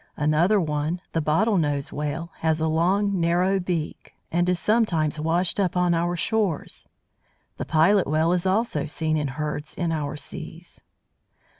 Another one, the Bottle nose Whale, has a long, narrow "beak," and is sometimes washed up on our shores. The Pilot Whale is also seen in herds in our seas.